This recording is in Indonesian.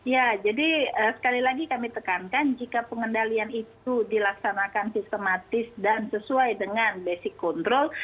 ya jadi sekali lagi kami tekankan jika pengendalian itu dilaksanakan sistematis dan sesuai dengan basic control